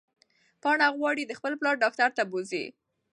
پاڼه غواړي چې خپل پلار ډاکټر ته بوځي.